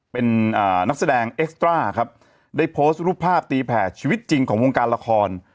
เป็นนักแสดงเอ็กซ์ตราครับได้โพสต์รูปภาพตีแผ่ชีวิตจริงของวงการละคร